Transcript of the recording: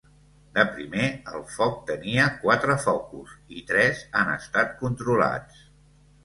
De primer, el foc tenia quatre focus i tres han estat controlats.